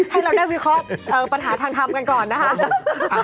ให้เราได้วิเคราะห์ปัญหาทางทำกันก่อนนะคะ